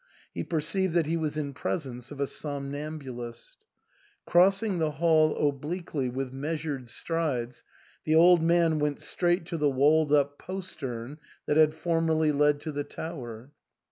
He perceived that he was in presence of a som nambulist. Crossing the hall obliquely with measured strides, the old man went straight to the walled up postern that had formerly led to the tower.